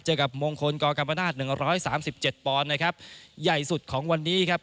เจอกับมงคลกรกรรมนาศหนึ่งร้อยสามสิบเจ็ดปอนด์นะครับใหญ่สุดของวันนี้ครับ